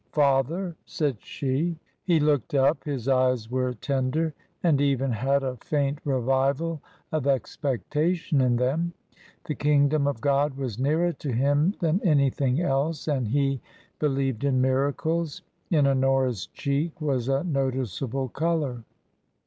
" Father," said she. He looked up ; his eyes were tender, and even had a faint revival of expectation in them. The kingdom of God was nearer to him than anything else, and he be 4 38 TRANSITION. lieved in miracles. In Honora's cheek was a noticeable colour.